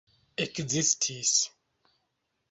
ekzistis